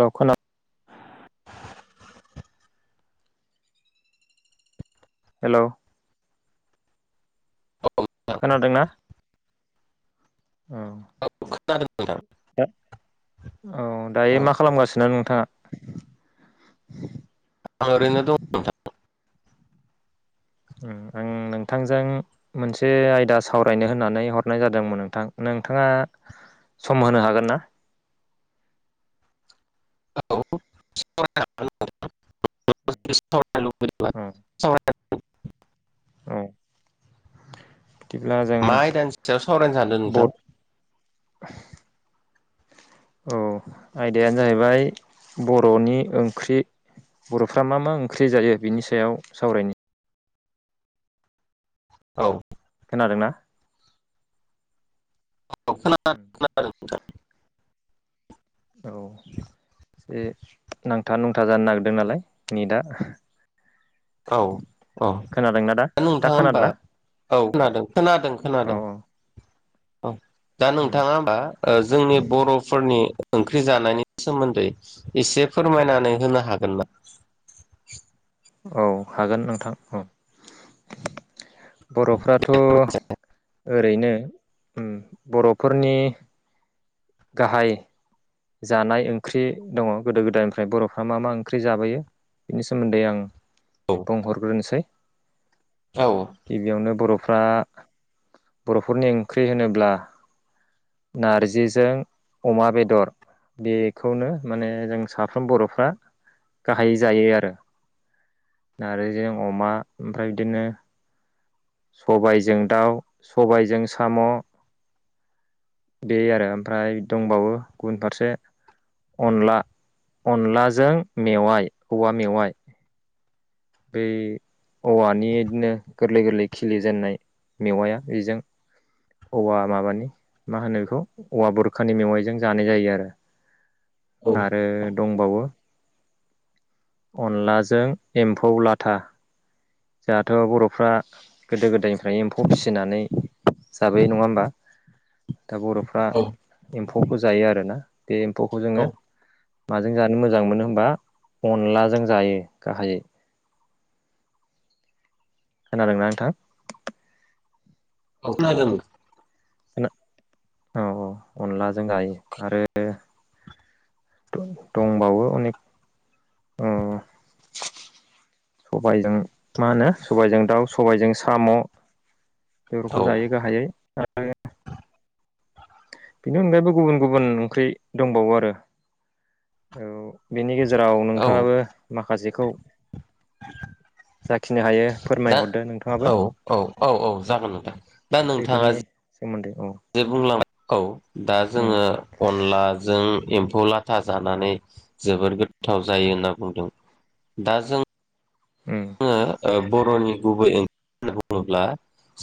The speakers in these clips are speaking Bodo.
राव खोना हेल' खोनादों खोनादोंना? औ। नोंथां दा औ औ दायो मा खालामगासिनो नोंथाङा? [inaudible] आं ओरैनो दं नोंथां [inaudible] आं नोंथांजों मोनसे आयदा सावरायनो होननानै हरनाय जादोंमोन नोंथां। नोंथाङा सम होनो हागोन ना? औ [inaudible] औ [inaudible] औ। बिदिब्ला जों मा आयदानि सायाव सावरायनो सानदों ब नोंथां [inaudible] औ आयदायानो जाहैबाय बर'नि ओंख्रि बर'फ्रा मा मा ओंख्रि जायो? बिनि सायाव सावरायनो औ। खोनादोंना। औ खोनादों। [inaudible] [inaudible] बे नांथा नुंथा जानो नागिरदों नालाय नै दा। औ औ दा दा नोंथाङा होमबा खोनादोंना औ खोनादों खोनादों औ खोनादों। औ दा औ नोंथाङा होमबा जोंनि बर'फोरनि ओंख्रि जानायनि सोमोन्दै एसे फोरमायनानै होनो हागोन नामा? औ हागोन नोंथां औ। बर'फ्राथ' ओरैनो बर'फोरनि गाहाय जानाय ओंख्रि दङ गोदो गोदायनिफ्राय बर'फ्रा मा मा ओंख्रि जाबोयो। बिनि सोमोन्दै आं औ बुंहरग्रोनोसै। औ गिबियावनो बर' फ्रा बर'फोरनि ओंख्रि होनोब्ला नारजिजों अमा बेदर। बेखौनो माने जों साफ्रोम बर'फ्रा गाहायै जायो आरो। आरो जों अमा ओमफ्राय बिदिनो सबायजों दाउ सबायजों साम' बे आरो ओमफ्राय दंबावो गुबुन फारसे अनला अनलाजों मेवाय, औवा मेवाय बेै औवानि बिदिनो गोरलै गोरलै खिलिजेननाय मेवाया बेजों औवा माबानि मा होनो बेखौ औवा बुरखानि मेवाइजों जानाय जायो आरो। आरो दंबावो अनलाजों एम्फौ लाथा। जोंहाथ' बर'फ्रा गोदो गोदायनिफ्रायनो एम्फौ फिसिनानै जाबोयो नङा होमबा दा बर'फ्रा औ एम्फौखौ जायो आरोना। बे एम्फौखौ जोङो माजों जानो मोजां मोनो होनबा अनलाजों जायो गाहायै। खोनादोंना नोंथां? औ खोनादों। औ औ अनलाजों जायो आरो। दंबावो अनेक सबायजों मा होनो सबायजों दाउ सबायजों साम' बेफोरखौ औ जायो गाहायै आरो बेनि अनगायैबो गुबुन गुबुन ओंख्रि दंबावो आरो औ बेनि गेजेराव औ नोंथाङाबो माखासेखौ जाखिनो हायो दा फोरमायहरदो नोंथाङाबो औ औ औ औ जागोन नोंथां दा नोंथाङा ओंख्रिफोरनि सोमोन्दै औ जे बुंलांबाय औ दा उम जोङो अनलाजों खौ लाथा जानानै जोबोद गोथाव जायो होनना बुंदों दा जों उम आङो बर'नि गुबै ओंख्रि होननानै बुङोब्ला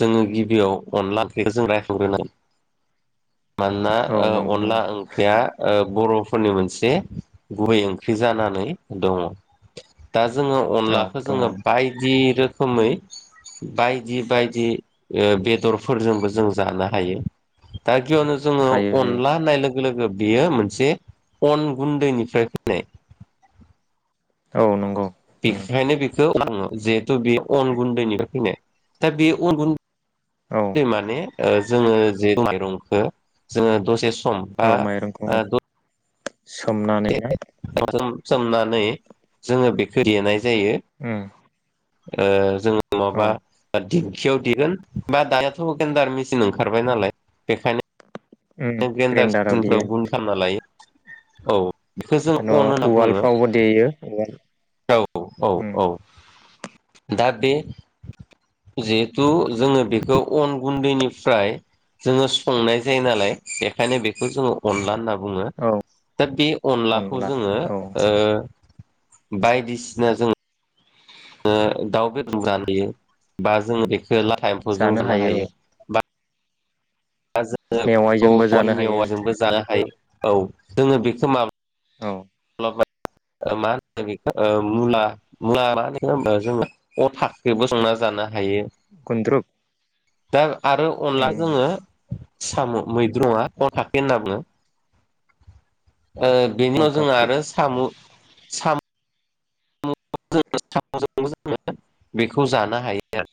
जोङो गिबियाव अनला ओंख्रिखौ जों रायखांग्रोनांगोन [inaudible] मानोना औ नंगौ नंगौ अनला ओंख्रिया बर'फोरनि मोनसे गुबै ओंख्रि जानानै दङ। दा जोङो औ अनलाखौ दङ जोङो बायदि रोखोमै बायदि बायदि बेदरफोरजोंबो जों जानो हायो दा गिबियावनो जोङो हायो हायो अनला होननाय लोगो लोगो बियो मोनसे अन गुन्दैनिफ्राय फैनाय औ नंगौ। उम बेखायनो बेखौ आङो जिहेतु बे अन गुन्दैनिफ्राय फैनाय दा बे अन औ गुन्दै माने जोङो जे माइरंखौ जोङो दसे जे सम बा औ माइरंखौ ओ सोमनानै सोमनानै जोङो बेखौ देनाय जायो। उम ओ जोङो औ नङाबा दिं खियाव देगोन बा दाथ' गेन्दार मेसिन ओंखारबाय नालाय बेखायनो उम ग्रेन्दार ग्रेन्डाराव देयो मेसिनफोराव गुन खालामना लायो औ बेखौ जों अन नङाबा होनना बुङो उवालफ्रावबो । देयो उवाल औ औ उम औ दा बे जिहेथु जोङो बेखौ अन गुन्दैनिफ्राय जोङो संनाय जायो नालाय बेखायनो बेखौ जोङो अनला होनना बुङो । औ बुङो दा बे अनलाखौ अनला जोङो औ ओ बायदिसिना जों ङो दाउ बेदरजों जानो हायो बा जों बेखौ लाथा एम्फौ जों जानो हायो बा दा जोङो बेखौ मेवाइजोंबो अन जानो हायो मेवाजोंबो जानो हायो औ जोङो बेखौ माबा औ [unintelligible] ओ मा होनो बेखौ ओ मुला ओ [unintelligible] अथाखौबो संना जानो हायो गुन्द्रुक दा आरो अनला उम जोङो सामु मैद्रु नङा [unintelligible] होनना बुङो । ओ बेनि अन उनाव जोंङो फाख्रि आरो सामु साम साम' [unintelligible] जोङो बेखौ जानो हायो आरो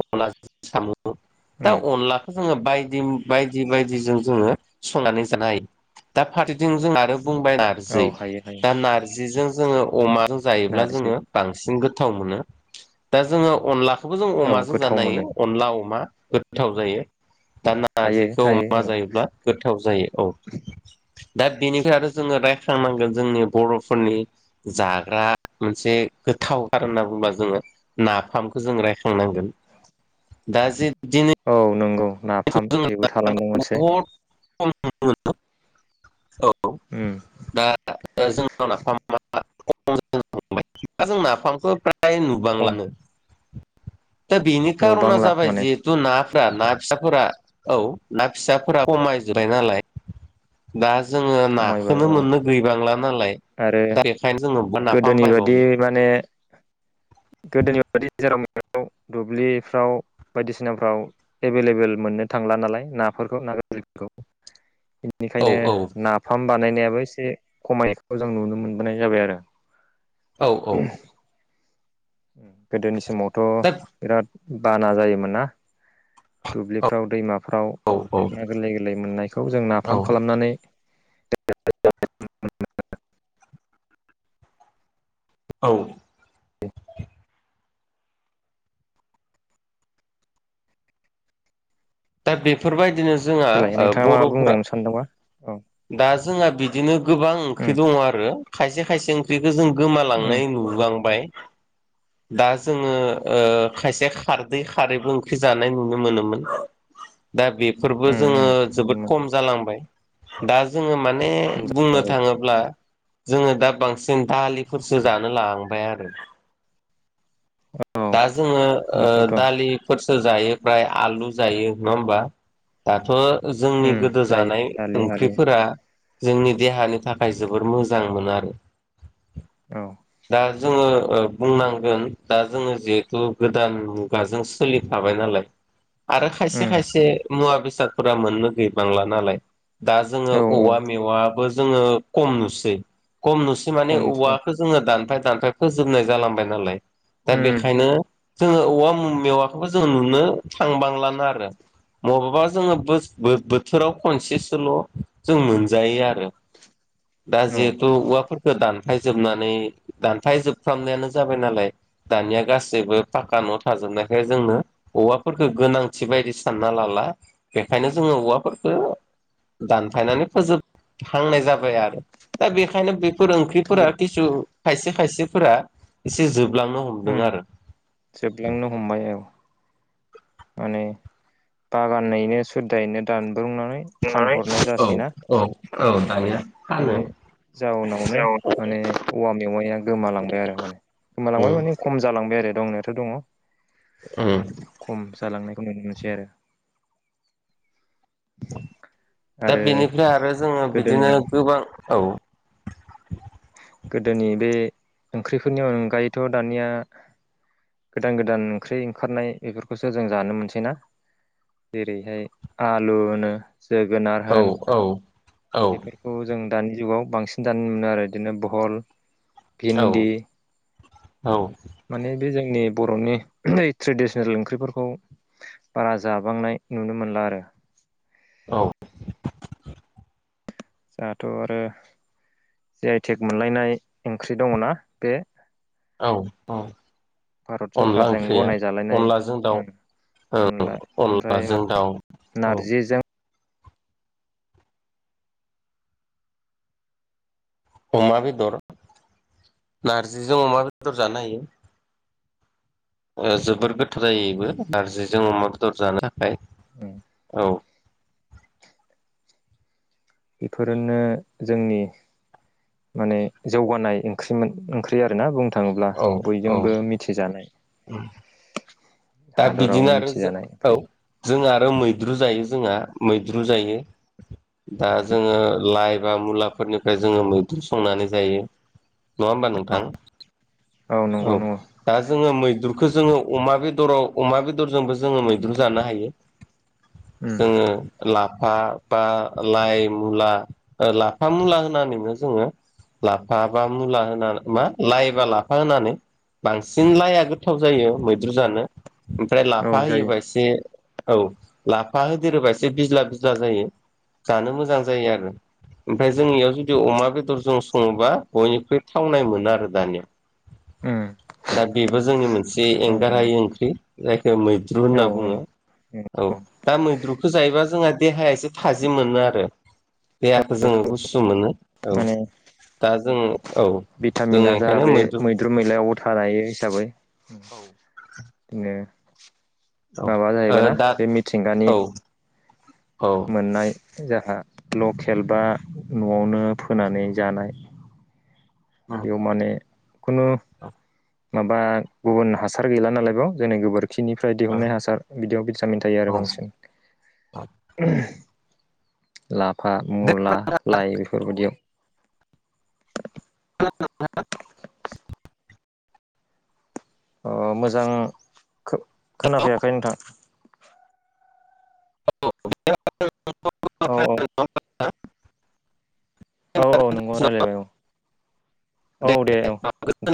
अनलाजों साम' दा उम अनलाखौ जोङो बायदि बायदि बायदिजों जोङो संनानै जानो हायो दा फारसेथिं जोंहा आरो बुंबाय औ नारजि हायो हायो दा नारजिजों जोङो अमाजों जायोब्ला नारजि जोङो बांसिन गो गोथाव मोनो दा जोङो अनलाखौबो जों औ अमाजों गोथाव जानो हायो मोनो अनला अमा । गोथाव जायो दा हायो नारजिखौ हायो अमा औ जायोब्ला गोथाव जायो औ दा बेनिफ्राय आरो जोङो रायख्लांनांगोन जोंनि बर'फोरनि जाग्रा मोनसे गोथावथार होनना बुंङोबा जोङो नाफामखौ जों रायखांनांगोन । दा जे दिनै औ नंगौ नाफाम जों बेबो थालांदों मोनसे बहुद उम [unintelligible] दा जोंना नाफामा [unintelligible] दा जों नाफामखौ फ्राय खम नुबांलानो । दा बेनि खारना नुबांला जाबाय माने जिहेथु नाफ्रा ना फिसाफोरा औ ना फिसाफोरा खमायजोबबाय नालाय दा जोङो खमायबाय नाखौनो औ मोननो गैबांला नालाय आरो दा बेखायनो जोङो नाफाम गोदोनि बायदि बायबावनो माने गोदोनि बायदि जेराव मेराव दुब्लिफ्राव बायदिसिनाफ्राव एभेलेबल मोननो थांला नालाय नाफोरखौ ना गोर्लौफोरखौ। औ बेनिखायनो औ नाफाम बानायनायाबो एसे खमाय नायखौ जों नुनो मोनबोनाय जाबाय आरो । औ औ गोदोनि समावथ' दा बिराद बाना जायोमोन ना । औ दुब्लिफ्राव दैमाफ्राव औ ना गोरलै गोरलै मोननायखौ जों औ नाफाम खालामनानै औ दा बेफोरबायदिनो जोंहा देलाय ओ नोंथाङा माबा बर'फोरा बुंबावनो सानदोंबा औ दा जोंहा बिदिनो गोबां उम ओंख्रि दङ आरो खायसे खायसे ओंख्रि जों उम गोमालांनाय नुलांबाय । [unintelligible] दा जोङो ओ खायसे खारदै खारैबो ओंख्रि जानाय नुनो मोनोमोन । दा बेफोरबो उम उम जोङो जोबोद नंगौमोन खम जालांबाय दा जोङो माने खम बुंनो जाबाय थाङोब्ला जोङो दा बांसिन दालिफोरसो जानो लांबाय आरो। औ दा जोङो ओ नंगौथ' दालिफोर सो जायो फ्राय आलु जायो नङा होमबा दाथ' जोंनि उम गोदो जायो जानाय दालि आलु ओंख्रिफोरा जोंनि देहानि थाखाय जोबोर मोजां मोनो आरो। औ दा जोङो ओ बुंनांगोन दा जोङो जिहेथु गोदान मुगाजों सोलिफाबाय नालाय आरो खायसे उम खायसे मुवा बेस साद फोर मोननो गैबांला नालाय दा जोङो औ औ औवा मेवाबो जोङो कम नुसै कम नुसै माने खमसै औ औवाखो जोङो दानफाय दानफाय फोजोबनाय जालांबाय नालाय दा उम बेखायनो जोङो औवा मुमेवाखौबो जोङो नुनो थांबांलानो आरो। मबेबा जोङो बोस बोथोराव खनसेसोल' जों मोनजायो आरो। दा औ जिहेथु उवाफोर खो दानफाय जोबनानै दानफाय जोबफ्रामनायानो जाबाय नालाय दानिया गासैबो पाका न' थाजोबनायखाय जोंनो औवाफोरखो गोनांथि बायदि सानना लाला। बेखायनो जोङो औवाफोरखो दानफायनानै फोजोबहांनाय जाबाय आरो दा बेखायनो बे फोर ओंख्रिफोरा खिसु खायसे खायसेफोरा एसे जोबलांनो हमदों उम आरो‌। जोबलांनो हमबाय। औ माने बागानैनो सुदायैनो दान [unintelligible] औ औ औ दानिया माहोनो बेनि जाउनावनो माने औवा मेवाइया गोमालांबाय आरो माने। गोमालांबाय उम माने खम जालांबाय आरो दंना दङ उम खम जालांनायखौ नुनो मोनसै आरो। दा आरो बेनिफ्राय आरो जोङो गोदोनि बिदिनो गोबां औ। गोदोनि बे ओंख्रिफोरनि अनगायैथ' दानिया गोदान गोदान ओंख्रि ओंखारनाय इफोरखोसो जों जानो मोनसैना। जेरैहाय आलुनो। जोगोनार औ होन औ औ बेफोरखौ जों दानि जुगाव बांसिन दानो मोनो आरो बिदिनो बहल, औ भिन्दि औ माने बे जोंनि बर'नि ट्रेडिसनेल ओंख्रिफोरखौ बारा जाबांनाय नुनो मोनला आरो। औ। दाथ' आरो जि आइ टेक मोनलायनाय ओंख्रि दङना बे औ औ भारत अनला सरकारजों ओंख्रिया गनाय जालायनाय अनलाजों दाउ। औ अनला ओमफ्राय अनलाजों दाउ औ। नारजिजों अमा बेदर नारजिजों अमा बेदर जानो हायो। ओ जोबोर गोथाव जायो इबो नारजिजों अमा बेदर जानो थाखाय। [inaudible] औ। बेफोरनो जोंनि माने जौगानाय ओंख्रिमोन ओंख्रि आरोना बुंनो थाङोब्ला बयजोंबो मिथिजानाय। उम। दा हादरावनो बिदिनो आरो जो मिथिजानाय औ ओंख्रि जों आरो मैद्रु जायो जोंहा मै द्रु जायो। दा जोङो लाइ बा मुलाफोरनिफ्राय जोङो मैद्रु संनानै जायो। नङा होमबा नोंथां औ नंगौ नंगौ दा जोङो मैद्रुखौ जोङो अमा बे बेदराव अमा बेदरजोंबो जोङो मैद्रु जानो हायो जोङो लाब लाफा बा लाइ मुला लाफा मुला होनानैनो जोङो लाफा बा मुला होना मा लाइबा लाफा होनानै बांसिन लाइआ गोथाव जायो मैद्रु जानो ओमफ्राय औ लाफा जायो होयोबा एसे औ लाफा होदेरोबा एसे बिज्ला ब्ला जायो जानो मोजां जायो आरो। ओमफ्राय जोंनियाव जुदि अमा बेदरजों सङोबा बयनिख्रुइ थावनाय मोनो आरो जानो। दा बेबो जोंनि मोनसे एंगारहायै ओंख्रि जाय मैद्रु होनना औ बुङो औ दा मैद्रुखौ जायोबा जोंहा देहाया एसे थाजिम मोनो आरो देहाखौ जोङो गुसु मोनो औ माने दा जों औ जों भिटामिना जाहा बेखायनो बे मैद्रु [unintelligible] हिसाबै औ बिदिनो ओ माबा जाहैबाय ना दा बे मिथिंगानि औ औ मोननाय जोंहा लकेल बा न'आवनो फोनानै जानाय। बेयाव माने खुनु माबा गुबुन हासार गैला नालाय बाव जोंनि गोबोर खिनिफ्राय दिहुननाय हासार बिदियाव भिटामिन थायो आरो बांसिन। औ लाफा मुला लाइ बेफोरबायदियाव [unintelligible] अ मोजां खो खोनाफैयाखै नोंथां। औ औ [unintelligible] औ औ नंगौ राय्लायबाय औ औ दे औ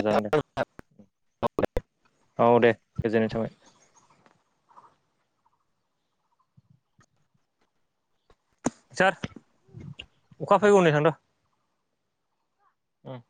जागोन दे। [unintelligible] औ दे गोजोननाय थाबाय। सार अखा फैगौै नै थांद उम